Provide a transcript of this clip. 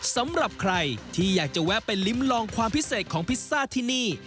สำหรับใครที่อยากจะแวะไปลิ้มลองความพิเศษของพิซซ่าที่นี่